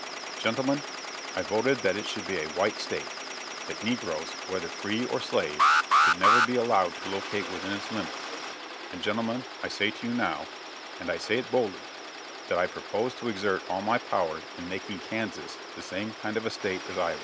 "Gentlemen, I voted that it should be a white state that negroes, whether free or slave, should never be allowed to locate within its limits; and, gentlemen, I say to you now, and I say it boldly, that I propose to exert all my power in making Kansas the same kind of a state as Iowa.